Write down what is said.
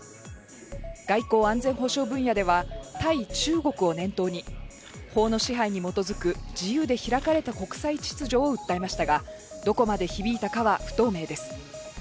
外交・安全保障分野では対中国を念頭に法の支配に基づく自由で開かれた国際秩序を訴えましたが、どこまで響いたかは不透明です。